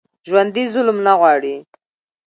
ژوندي ظلم نه غواړي